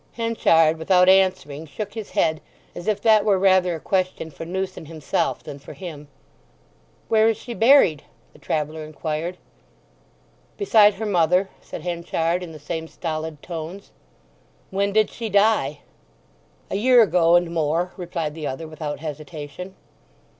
Henchard, without answering, shook his head as if that were rather a question for Newson himself than for him. "Where is she buried?" the traveller inquired. "Beside her mother," said Henchard, in the same stolid tones. "When did she die?" "A year ago and more," replied the other without hesitation.